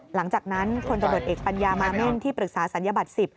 หลังจากนั้นพลตำรวจเอกปัญญามาเม่นที่ปรึกษาศัลยบัตร๑๐